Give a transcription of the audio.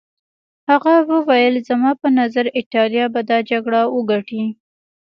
هغه وویل زما په نظر ایټالیا به دا جګړه وګټي.